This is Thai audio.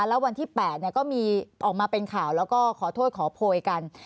แล้ววันที่๘ก็มีออกมาเป็นข่าวแล้วก็ขอโทษขอโพยกัน